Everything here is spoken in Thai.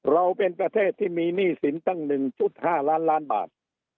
เราเป็นประเทศที่มีหนี้สินตั้ง๑๕ล้านล้านบาท